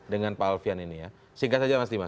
dengan pak alfian ini ya singkat saja mas dimas